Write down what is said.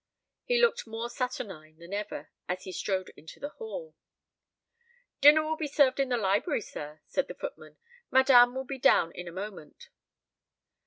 He looked more saturnine than ever as he strode into the hall. "Dinner will be served in the library, sir," said the footman. "Madame will be down in a moment."